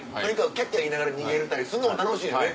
キャッキャ言いながら逃げれたりするのも楽しいよね。